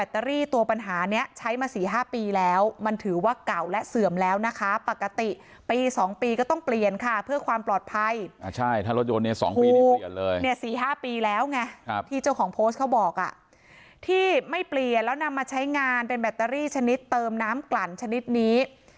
ที่เจ้าของโพสต์เขาบอกที่ไม่เปลี่ยนแล้วนำมาใช้งานเป็นแบตเตอรี่ชนิดเติมน้ำกลั่นชนิดนี้